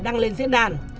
đăng lên diễn đàn